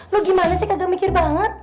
lo gimana sih kagak mikir banget